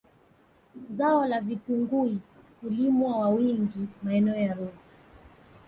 Zao la vitungui hulimwa wa wingi maeneo ya Ruvu